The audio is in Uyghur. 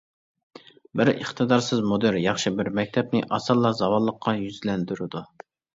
بىر ئىقتىدارسىز مۇدىر ياخشى بىر مەكتەپنى ئاسانلا زاۋاللىققا يۈزلەندۈرىدۇ.